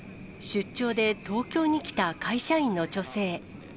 出張で東京に来た会社員の女性。